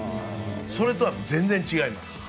それとは全然違います。